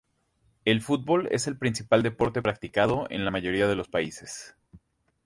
El fútbol es el principal deporte practicado en la mayoría de los países.